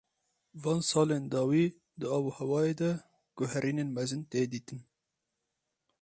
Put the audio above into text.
Van salên dawî di avûhewayê de guherînên mezin tê dîtin.